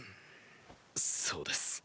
そうです。